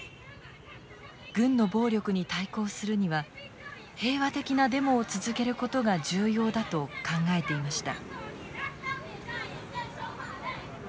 軍の暴力に対抗するには平和的なデモを続けることが重要だと考えていました。